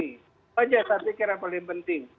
itu saja yang saya pikirkan yang paling penting